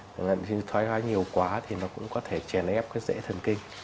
nếu như thoái hoa nhiều quá thì nó cũng có thể chèn ép cái dễ thần kinh